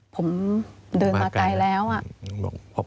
ผมเดินมาไกลแล้วอ่ะ